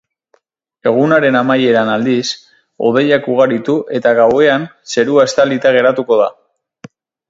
Egunaren amaieran, aldiz, hodeiak ugaritu eta gauean zerua estalita geratuko da.